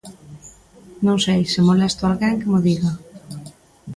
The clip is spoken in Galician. Non sei, se molesto a alguén, que mo diga.